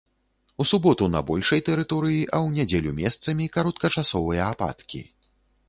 У суботу на большай тэрыторыі, а ў нядзелю месцамі кароткачасовыя ападкі.